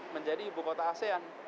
menjadi ibu kota asean